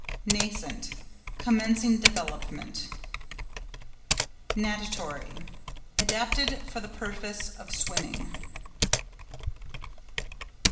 NASCENT.—Commencing development. NATATORY.—Adapted for the purpose of swimming.